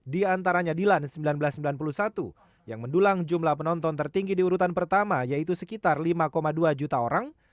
di antaranya dilan seribu sembilan ratus sembilan puluh satu yang mendulang jumlah penonton tertinggi di urutan pertama yaitu sekitar lima dua juta orang